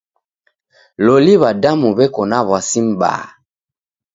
Loli w'adamu w'eko na w'asi m'baa.